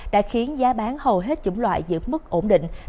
đã khiến giá bán hầu hết chủng loại giữ mức ổn định